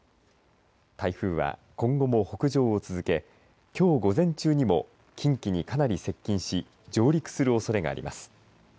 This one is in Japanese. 台風は、今後も北上を続けきょう午前中にも近畿にかなり接近し上陸するおそれがあります。